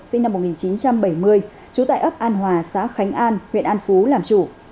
sinh năm một nghìn chín trăm bảy mươi trú tại ấp an hòa xã khánh an huyện an phú làm chủ